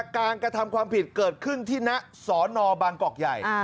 การกระทำความผิดเกิดขึ้นที่นักสอนอบังกกใหญ่อ่า